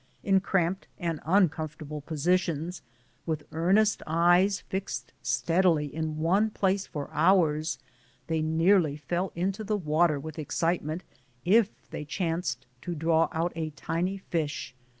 In cramped and uncom fortable positions, with earnest eyes fixed steadily in one place for hours, they nearly fell into the water with excitement if they chanced to draw out a tiny fish.